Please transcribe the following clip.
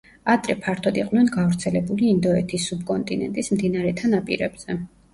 ადრე ფართოდ იყვნენ გავრცელებული ინდოეთის სუბკონტინენტის მდინარეთა ნაპირებზე.